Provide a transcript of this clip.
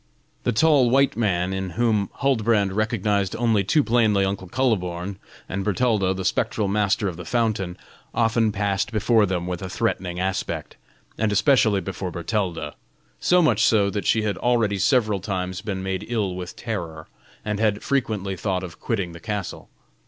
The tall white man, in whom Huldbrand recognized only too plainly Uncle Kuhleborn, and Bertalda the spectral master of the fountain, often passed before them with a threatening aspect, and especially before Bertalda; so much so, that she had already several times been made ill with terror, and had frequently thought of quitting the castle.